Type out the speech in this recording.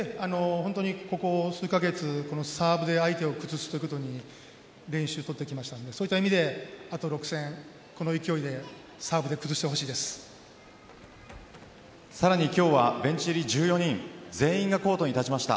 ここ数カ月サーブで相手を崩すということに練習を取ってきましたのでそう言った意味であと６戦さらに今日はベンチ１４人全員がコートに立ちました。